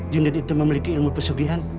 jundit itu memiliki ilmu pesugihan